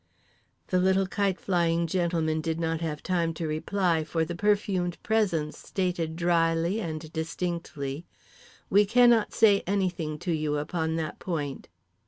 The little kite flying gentleman did not have time to reply, for the perfumed presence stated dryly and distinctly: "We cannot say anything to you upon that point."